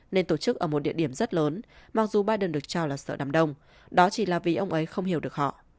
nên tổ chức ở một địa điểm rất lớn mặc dù biden được cho là sợ đám đông đó chỉ là vì ông ấy không hiểu được họ